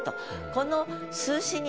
この。